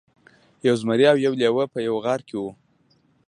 یو زمری او یو لیوه په یوه غار کې وو.